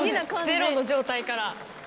ゼロの状態から。